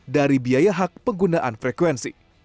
dari biaya hak penggunaan frekuensi